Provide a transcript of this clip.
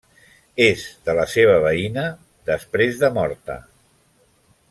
És de la seva veïna, després de morta.